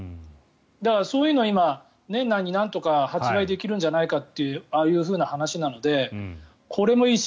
そういうのを年内になんとか発売できるんじゃないかっていう話なのでこれもいいし。